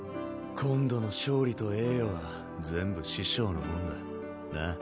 今度の勝利と栄誉は全部師匠のもんだ。なあ？